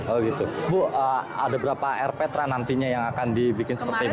oh gitu bu ada berapa rptra nantinya yang akan dibikin seperti ini